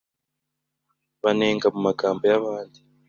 banenga mu magambo yabandi